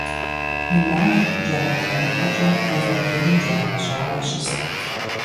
Инал джабэ лъэныкъуэкӀэ мывэ блыным кӀэрыгъэщӀауэ щыст.